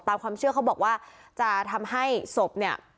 ความเชื่อเขาบอกว่าจะทำให้ศพเนี่ย